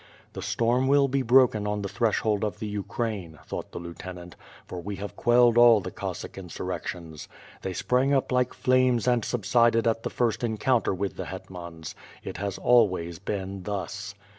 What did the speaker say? The storm will be broken on the threshold of the Ukraine — thought the lieutenant, for we have quelled all the Cossack insurrections. They sprang up like flames and sibsided at the first encounter with the hetmans. It has ahvays been thus.